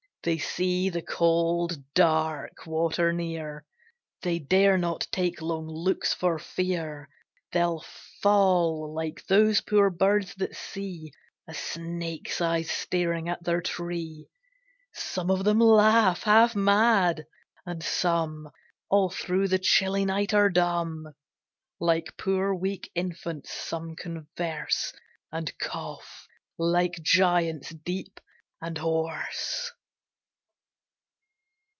They see the cold, dark water near; They dare not take long looks for fear They'll fall like those poor birds that see A snake's eyes staring at their tree. Some of them laugh, half mad; and some All through the chilly night are dumb; Like poor, weak infants some converse, And cough like giants, deep and hoarse.